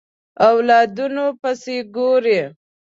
اولادونو پسې ګوري